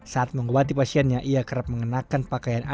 saat mengobati pasiennya ia kerap mengenakan pakaian adik